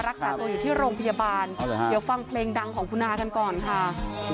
อยู่ที่โรงพยาบาลเดี๋ยวฟังเพลงดังของคุณอาจารย์กันก่อนค่ะ